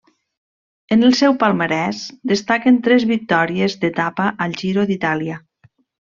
En el seu palmarès destaquen tres victòries d'etapa al Giro d'Itàlia.